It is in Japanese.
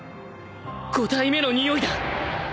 ５体目のにおいだ！